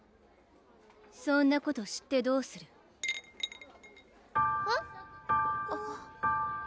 そんなこと知ってどうするえっ？